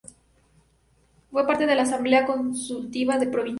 Fue parte de la Asamblea Consultiva Provisional.